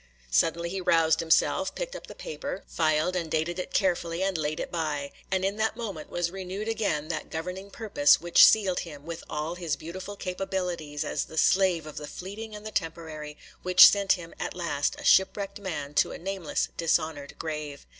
Suddenly he roused himself up, picked up the paper, filed and dated it carefully, and laid it by; and in that moment was renewed again that governing purpose which sealed him, with all his beautiful capabilities, as the slave of the fleeting and the temporary, which sent him, at last, a shipwrecked man, to a nameless, dishonoured grave.